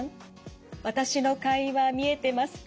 私の会話見えてますか？